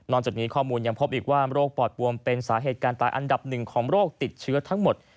จากนี้ข้อมูลยังพบอีกว่าโรคปอดปวมเป็นสาเหตุการตายอันดับหนึ่งของโรคติดเชื้อทั้งหมด